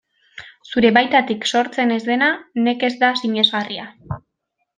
Zure baitatik sortzen ez dena nekez da sinesgarria.